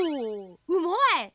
うまい！